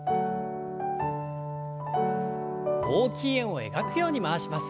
大きい円を描くように回します。